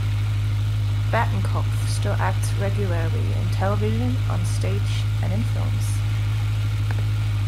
Batinkoff still acts regularly in television, on stage, and in films.